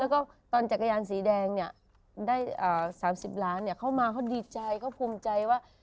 แล้วก็ตอนจักรยานสีแดงเนี่ยได้๓๐ล้านเข้ามาเขาดีใจเขาภูมิใจว่า